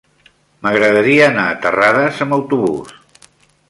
M'agradaria anar a Terrades amb autobús.